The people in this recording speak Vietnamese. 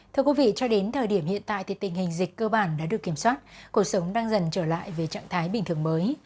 thưa quý vị cho đến thời điểm hiện tại thì tình hình dịch cơ bản đã được kiểm soát cuộc sống đang dần trở lại về trạng thái bình thường mới